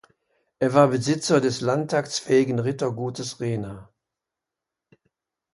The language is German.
Er war Besitzer des landtagsfähigen Rittergutes Rhena.